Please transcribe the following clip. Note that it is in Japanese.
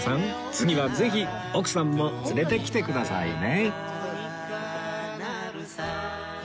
次はぜひ奥さんも連れてきてくださいね！